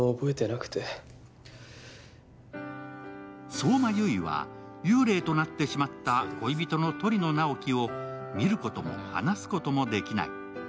相馬悠依は幽霊となってしまった恋人の鳥野直木を見ることも話すこともできない。